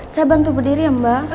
saya bantu berdiri ya mbak